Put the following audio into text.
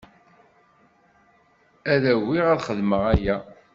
Ad agiɣ ad xedmeɣ aya.